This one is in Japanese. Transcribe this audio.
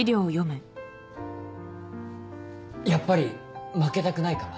やっぱり負けたくないから？